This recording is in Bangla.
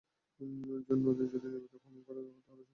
নদী যদি নিয়মিত খনন করা হতো তাহলে সামান্য বর্ষণে বন্যা হতো না।